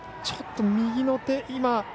ちょっと右の手。